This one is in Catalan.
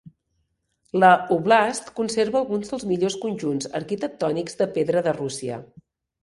La óblast conserva alguns dels millors conjunts arquitectònics de pedra de Rússia.